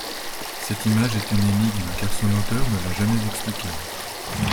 Cette image est une énigme car son auteur ne l’a jamais expliquée.